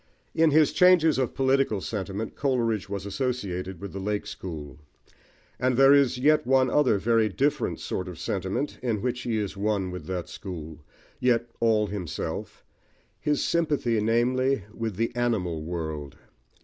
In his changes of political sentiment, Coleridge was associated with the "Lake School"; and there is yet one other very different sort of sentiment in which he is one with that school, yet all himself, his sympathy, namely, with the animal world.